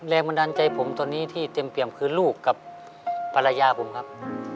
แรงบันดาลใจผมตอนนี้ที่เต็มเปี่ยมคือลูกกับภรรยาผมครับ